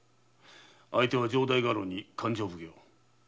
相手は城代家老に勘定奉行。